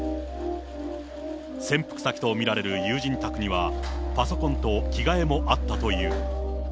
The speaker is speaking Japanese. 潜伏先と見られる友人宅には、パソコンと着替えもあったという。